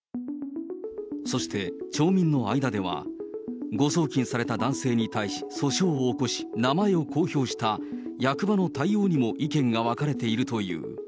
そして、町民の間では、誤送金された男性に対し訴訟を起こし、名前を公表した役場の対応にも意見が分かれているという。